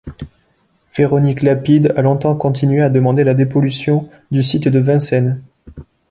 Véronique Lapides a longtemps continué à demander la dépollution du site de Vincennes.